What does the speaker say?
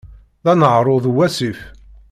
D aneɛṛuḍ uwasif.